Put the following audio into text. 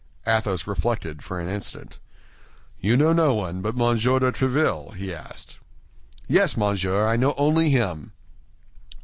Athos reflected for an instant. "You know no one but Monsieur de Tréville?" he asked. "Yes, monsieur, I know only him."